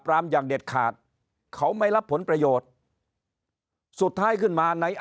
อย่างเด็ดขาดเขาไม่รับผลประโยชน์สุดท้ายขึ้นมาใน